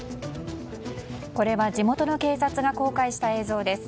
これは、地元の警察が公開した映像です。